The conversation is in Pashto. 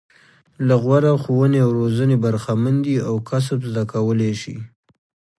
له غوره ښوونې او روزنې برخمن دي او کسب زده کولای شي.